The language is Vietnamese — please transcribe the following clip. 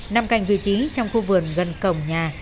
nằm cạnh vị trí trong khu vườn gần cổng nhà